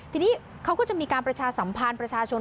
ทีนี้เขาก็จะมีการประชาสัมพันธ์ประชาชน